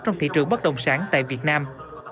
trong thị trường bất động sản tại việt nam